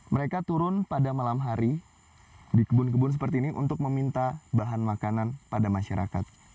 mereka turun pada malam hari di kebun kebun seperti ini untuk meminta bahan makanan pada masyarakat